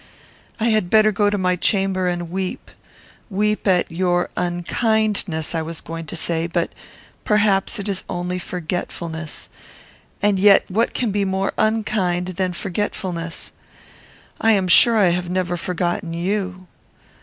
I had better go to my chamber and weep; weep at your unkindness, I was going to say; but, perhaps, it is only forgetfulness; and yet what can be more unkind than forgetfulness? I am sure I have never forgotten you.